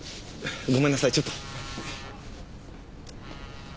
ごめんなさいちょっと。